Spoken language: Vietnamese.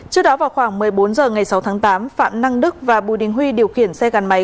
trước đó vào khoảng một mươi bốn h ngày sáu tháng tám phạm năng đức và bùi đình huy điều khiển xe gắn máy